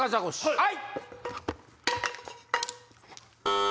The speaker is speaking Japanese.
はい？